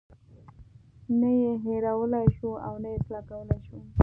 نه یې هیرولای شو او نه یې اصلاح کولی شو.